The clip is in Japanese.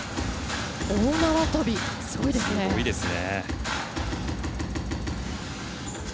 大縄跳び、すごいですね。